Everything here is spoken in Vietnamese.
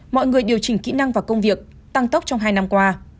mọi người điều chỉnh kỹ năng và công việc tăng tốc trong hai năm qua